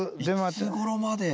いつごろまで？